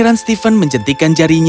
yang terbaik adalah jika kau menyadarinya